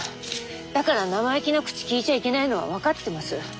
だから生意気な口利いちゃいけないのは分かってます。